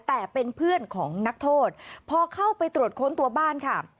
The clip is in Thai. แต่เป็นเพื่อนของนักโทษพอเข้าไปตรวจค้นตัวบ้านค่ะ